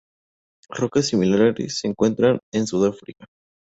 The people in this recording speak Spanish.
Rocas similares se encuentran en Sudáfrica.